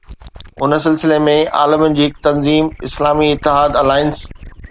ان سلسلي ۾ عالمن جي هڪ تنظيم ”اسلامي اتحاد الائنس“